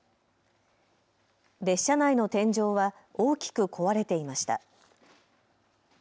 列車内の天井は大きく壊れていました。